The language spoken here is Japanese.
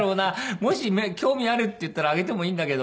もし「興味ある」って言ったらあげてもいいんだけど。